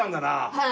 はい。